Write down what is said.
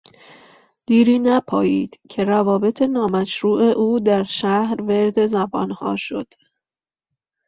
دیری نپایید که روابط نامشروع او در شهر ورد زبانها شد.